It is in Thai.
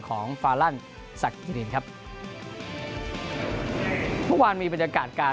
ของฟารันสักกิรินครับทุกวันมีบรรยากาศการ